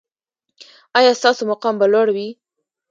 ایا ستاسو مقام به لوړ وي؟